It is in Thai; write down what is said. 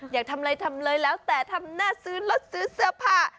อยากทำอะไรทำเลยแล้วแต่ทำหน้าซื้อรถซื้อเสื้อผ้า